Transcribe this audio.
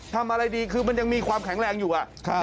ทำอะไรดีคือมันยังมีความแข็งแรงอยู่